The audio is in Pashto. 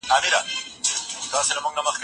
زېربناوي د اقتصاد ملا تړي.